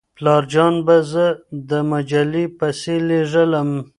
پلارجان به زه د مجلې پسې لېږلم.